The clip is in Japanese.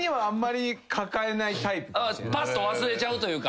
パッと忘れちゃうというか。